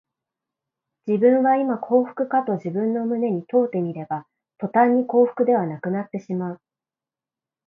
自分はいま幸福かと自分の胸に問うてみれば、とたんに幸福ではなくなってしまう